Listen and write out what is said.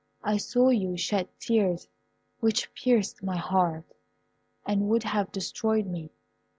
I saw you shed tears, which pierced my heart, and would have destroyed me.